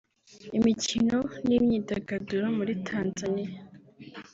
Imikino n’Imyidagaduro muri Tanzania